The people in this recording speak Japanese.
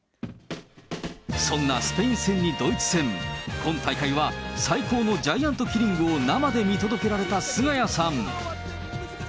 そんなスペイン戦にドイツ戦、今大会は最高のジャイアントキリングを生で見届けられたすがやさん。